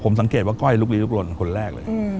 สังเกตว่าก้อยลุกลีลุกลนคนแรกเลย